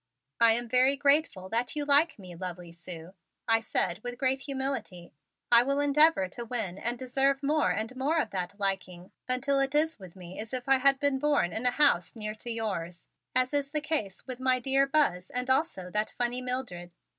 "I am very grateful that you like me, lovely Sue," I said with great humility. "I will endeavor to win and deserve more and more of that liking, until it is with me as if I had been born in a house near to yours, as is the case with my dear Buzz and also that funny Mildred."